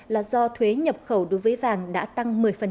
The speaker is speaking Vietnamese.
là do thuế nhập khẩu đối với vàng đã tăng một mươi